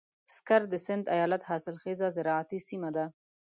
سکر د سيند ايالت حاصلخېزه زراعتي سيمه ده.